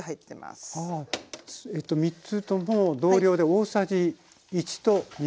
えっと３つとも同量で大さじ１1/2。